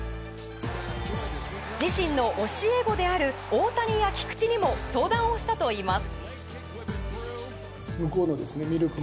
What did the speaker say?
自身の教え子である大谷や菊池にも相談をしたといいます。